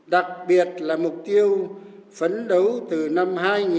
đặc biệt là mục tiêu phấn đấu từ năm hai nghìn một mươi